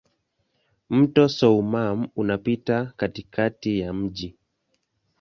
Mto Soummam unapita katikati ya mji.